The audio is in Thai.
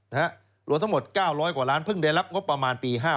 รวมทั้งหมด๙๐๐กว่าล้านเพิ่งได้รับงบประมาณปี๕๗